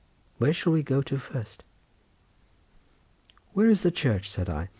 Where shall we go to first?" "Where is the church?" said I.